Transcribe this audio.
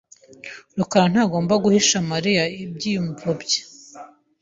rukara ntagomba guhisha Mariya ibyiyumvo bye .